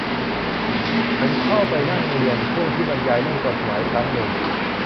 ฉันเข้าไปนั่งเรียนช่วงที่บรรยายเรื่องกฎหมายครั้งนึง